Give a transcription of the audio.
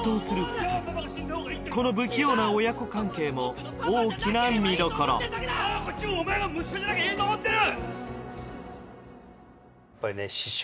２人この不器用な親子関係も大きな見どころこっちもお前が息子じゃなきゃいいと思ってる！